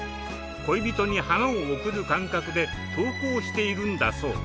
恋人に花を贈る感覚で投稿しているんだそう。